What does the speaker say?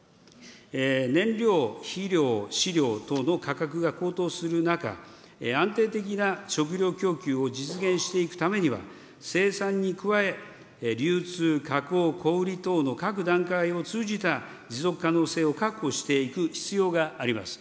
燃料、肥料、飼料等の価格が高騰する中、安定的な食料供給を実現していくためには、生産に加え、流通、加工、小売り等の各段階を通じた持続可能性を確保していく必要があります。